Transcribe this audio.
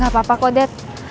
gapapa kok dad